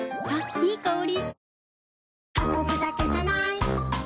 いい香り。